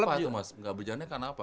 kenapa itu mas gak berjalan karena apa